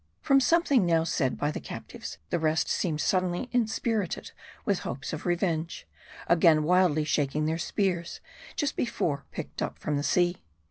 From something now said by the captives, the rest seem ed suddenly inspirited with hopes of revenge ; again wildly shaking their spears, just before picked up from the sea.